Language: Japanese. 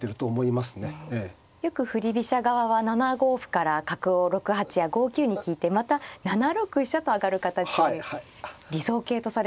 よく振り飛車側は７五歩から角を６八や５九に引いてまた７六飛車と上がる形理想型とされていますよね。